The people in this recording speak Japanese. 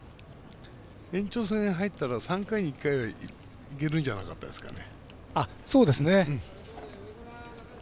延長戦に入ったら３回に１回はいけるんじゃないですかね。